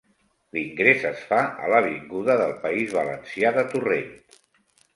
L'ingrés es fa a l'avinguda del País Valencià de Torrent.